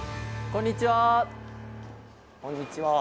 こんにちは。